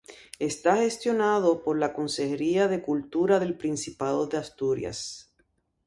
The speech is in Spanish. Está gestionado por la Consejería de Cultura del Principado de Asturias.